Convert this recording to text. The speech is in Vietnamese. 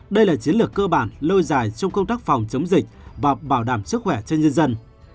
đây là chiến lược cơ bản lâu dài trong công tác phòng chống dịch và bảo đảm sức khỏe cho nhân dân